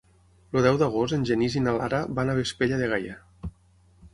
El deu d'agost en Genís i na Lara van a Vespella de Gaià.